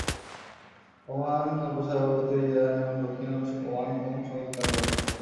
Oman উপসাগরের উত্তরে Iran, এবং দক্ষিণে ওমান ও সংযুক্ত আরব আমিরাত।